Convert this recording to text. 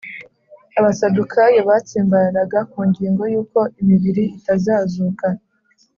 ” Abasadukayo batsimbararaga ku ngingo yuko imibiri itazazuka